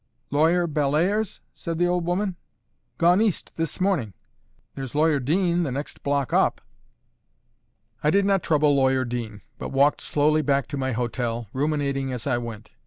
"Lawyer Bellairs?" said the old woman. "Gone East this morning. There's Lawyer Dean next block up." I did not trouble Lawyer Dean, but walked slowly back to my hotel, ruminating as I went.